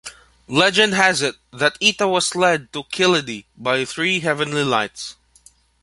Legend has it that Ita was led to Killeedy by three heavenly lights.